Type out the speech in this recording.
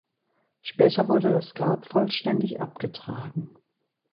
Später wurde das Grab vollständig abgetragen.